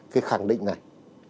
cái khẳng định này